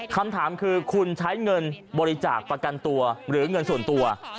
คำถามคือคุณใช้เงินบริจาคประกันตัวหรือเงินส่วนตัว